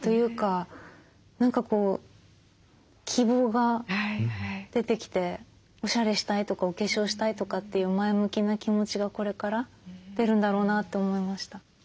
何かこう希望が出てきておしゃれしたいとかお化粧したいとかっていう前向きな気持ちがこれから出るんだろうなと思いました。